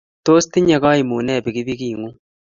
Tos tinyei kaimut ne pikipikingúng?